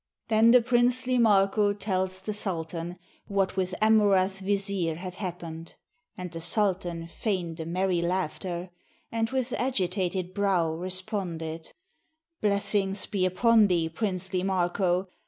Then the princely Marko tells the sultan What with Amurath Vizier had happened; And the sultan feigned a merry laughter : And with agitated brow responded, "Blessings be upon thee, princely Marko!